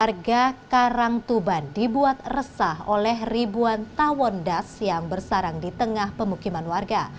warga karang tuban dibuat resah oleh ribuan tawon das yang bersarang di tengah pemukiman warga